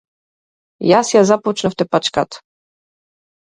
Јас ја започнав тепачката.